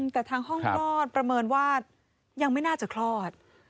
แต่ทางห้องคลอดประเมินว่ายังไม่น่าจะคลอด